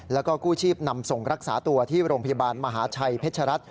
แล้วก็กู้ชีพนำส่งรักษาตัวที่โรงพยาบาลมหาชัยเพชรัตน